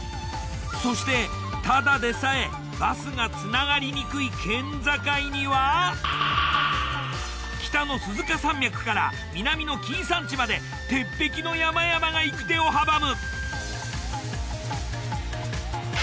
そしてただでさえバスがつながりにくい県境には北の鈴鹿山脈から南の紀伊山地まで鉄壁の山々が行く手を阻む。